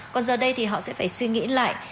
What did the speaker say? còn giờ đây thì họ sẽ phải suy nghĩ lại